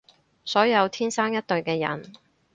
所有天生一對嘅人